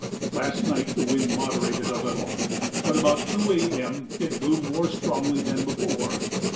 Last night the wind moderated a little, but about 2 A.M. it blew more strongly than before.